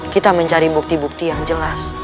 kita mencari bukti bukti yang jelas